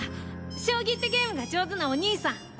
将棋ってゲームが上手なお兄さん